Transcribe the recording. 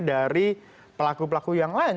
dari pelaku pelaku yang lain